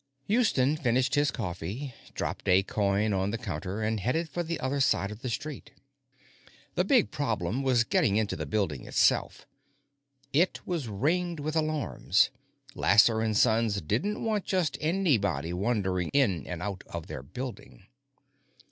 Houston finished his coffee, dropped a coin on the counter, and headed for the other side of the street. The big problem was getting into the building itself. It was ringed with alarms; Lasser & Sons didn't want just anybody wandering in and out of their building.